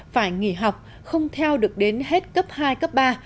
phải nghỉ học không theo được đến hết cấp hai cấp ba